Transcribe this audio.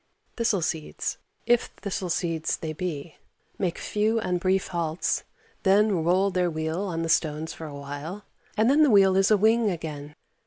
Thistle seeds if thistle seeds they be make few and brief halts, then roll their wheel on the stones for a while, and then the wheel is a wing again.